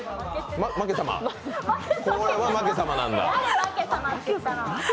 これは「まけ様」なんだ。